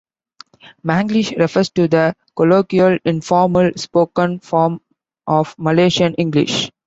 Manglish refers to the colloquial, informal spoken form of Malaysian English.